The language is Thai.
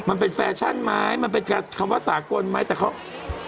มันเป็นแฟชั่นไหมมันเป็นคำว่าสากลไหมแต่เขา